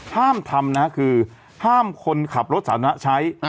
ห้ามทำนะคือห้ามคนขับรถสาธารณะใช้